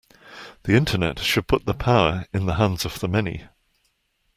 The Internet should put the power in the hands of the many.